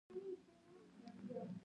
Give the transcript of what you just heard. کښې